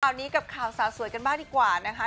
นี้กับข่าวสาวสวยกันบ้างดีกว่านะคะ